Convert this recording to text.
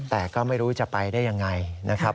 แต่ก็ไม่รู้จะไปได้อย่างไร